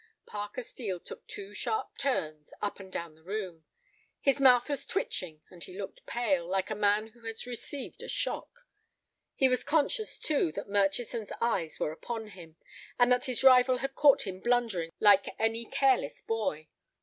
Parker Steel took two sharp turns up and down the room. His mouth was twitching and he looked pale, like a man who has received a shock. He was conscious, too, that Murchison's eyes were upon him, and that his rival had caught him blundering like any careless boy.